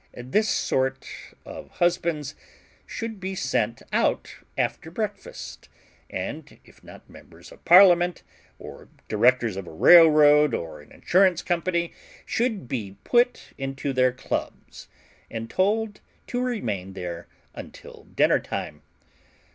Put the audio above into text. This sort of husbands should be sent out after breakfast, and if not Members of Parliament, or Directors of a Railroad, or an Insurance Company, should be put into their clubs, and told to remain there until dinner time.